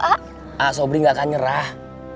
asobri gak akan nyerah